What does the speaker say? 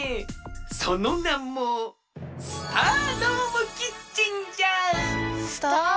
そのなもスタードームキッチン？